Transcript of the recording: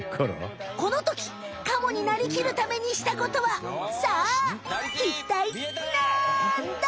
このときカモになりきるためにしたことはさあいったいなんだ？